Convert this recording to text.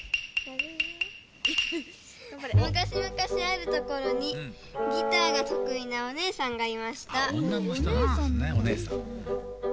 「むかしむかしあるところにギターがとくいなおねえさんがいました。